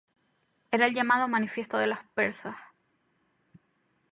Era el llamado Manifiesto de los Persas.